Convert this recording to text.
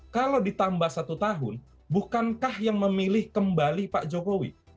kalau ditambah satu tahun bukankah yang memilih kembali pak jokowi